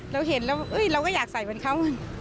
เราเห็นแล้วเราก็อยากใส่เหมือนเขา